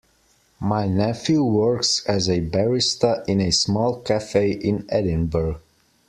My nephew works as a barista in a small cafe in Edinburgh.